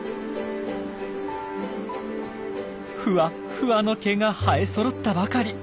フワッフワの毛が生えそろったばかり。